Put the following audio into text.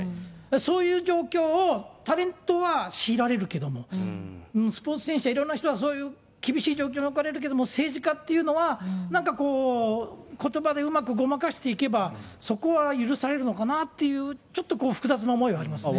そういう状況をタレントは強いられるけれども、スポーツ選手やいろいろな人たちは厳しい状況に置かれるけど、政治家っていうのは、なんかこう、ことばでうまくごまかしていけば、そこは許されるのかなっていう、ちょっと複雑な思いはありますね。